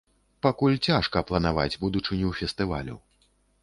Пакуль цяжка планаваць будучыню фестывалю.